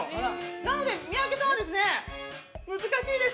なので、三宅さんは難しいです。